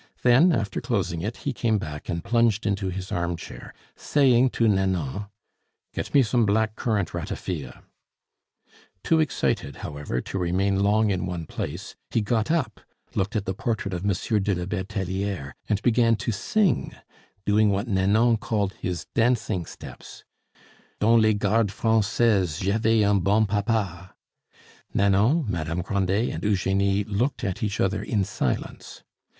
Then, after closing it, he came back and plunged into his armchair, saying to Nanon, "Get me some black currant ratafia." Too excited, however, to remain long in one place, he got up, looked at the portrait of Monsieur de la Bertelliere, and began to sing, doing what Nanon called his dancing steps, "Dans les gardes francaises J'avais un bon papa." Nanon, Madame Grandet, and Eugenie looked at each other in silence.